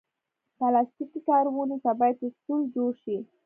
پلاستيکي کارونې ته باید اصول جوړ شي.